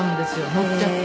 ノっちゃって。